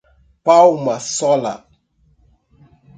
Palma Sola